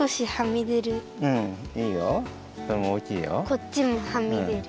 こっちもはみでる。